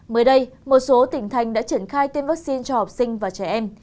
mới đây một số tỉnh thành đã triển khai tiêm vaccine cho học sinh và trẻ em